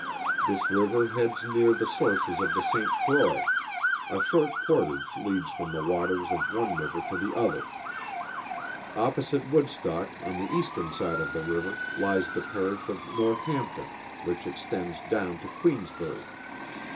This river heads near the sources of the Saint Croix; a short portage leads from the waters of one river to the other. Opposite Woodstock on the eastern side of the river lies the Parish of Northampton, which extends down to Queensbury.